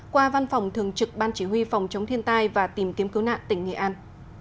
qua văn phòng thường trực ban chỉ huy phòng chống thiên tai và tìm kiếm cứu nạn tỉnh nghệ an